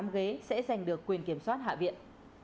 một mươi tám ghế sẽ giành được quyền kiểm soát hạ viện